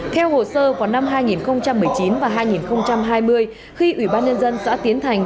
theo hồ sơ vào năm hai nghìn một mươi chín và hai nghìn hai mươi khi ủy ban nhân dân xã tiến thành